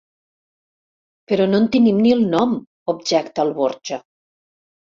Però no en tenim ni el nom —objecta el Borja.